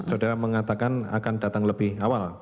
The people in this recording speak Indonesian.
saudara mengatakan akan datang lebih awal